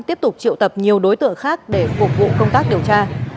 tiếp tục triệu tập nhiều đối tượng khác để phục vụ công tác điều tra